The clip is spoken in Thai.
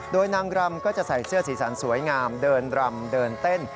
โดยนางรำก็จะใส่เสื้อสีสันสวยงามเดินรำเดินเต้น